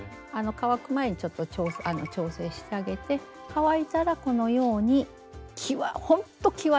乾く前にちょっと調整してあげて乾いたらこのようにきわほんときわです。